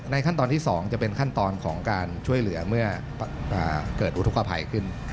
ขั้นตอนที่๒จะเป็นขั้นตอนของการช่วยเหลือเมื่อเกิดอุทธกภัยขึ้น